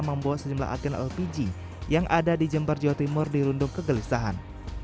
membawa sejumlah argan lpg yang ada di jember jawa timur di rundung kegelisahan